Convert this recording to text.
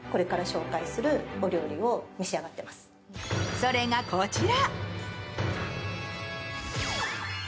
それがこちら。